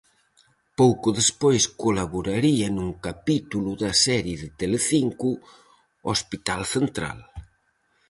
Pouco despois colaboraría nun capítulo da serie de Telecinco "Hospital Central".